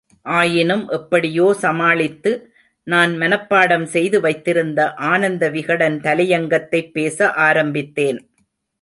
ஆயினும் எப்படியோ சமாளித்து, நான் மனப்பாடம் செய்து வைத்திருந்த ஆனந்தவிகடன் தலையங்கத்தைப் பேச ஆரம்பித்தேன்.